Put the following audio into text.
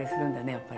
やっぱり。